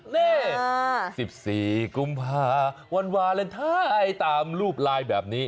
นี่๑๔กุมภาวันวาเลนไทยตามรูปลายแบบนี้